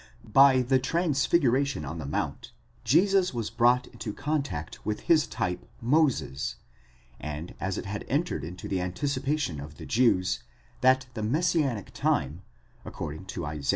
5 By the transfiguration on the mount Jesus was brought into contact with his type Moses, and as it had entered into the anticipation of the Jews that the messianic time, according to Isa.